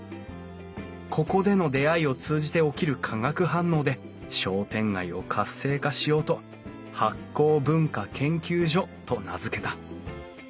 ここでの出会いを通じて起きる化学反応で商店街を活性化しようと醗酵文化研究所と名付けた。